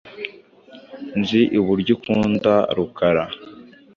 Nzi uburyo ukunda Rukara .